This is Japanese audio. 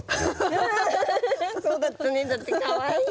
アハハハハ「そうだったね」だって。かわいい。